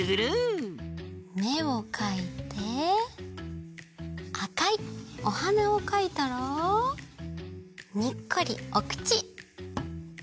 めをかいてあかいおはなをかいたらにっこりおくち！